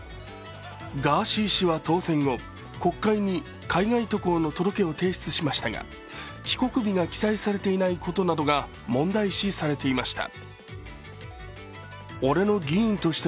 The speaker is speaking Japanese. ガーシー氏は当選後国会に海外渡航の届を提出しましたが帰国日が記載されていないことなどが問題視されていました。